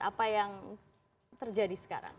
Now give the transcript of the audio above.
apa yang terjadi sekarang